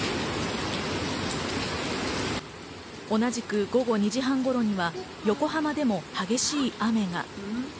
同じく午後２時半頃には横浜でも激しい雨が。